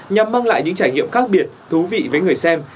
nhằm mang lại những trải nghiệm khác biệt thú vị với người xem